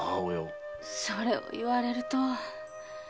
それを言われると。